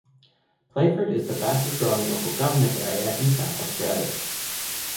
Playford is the fastest growing local government area in South Australia.